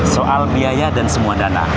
soal biaya dan semua dana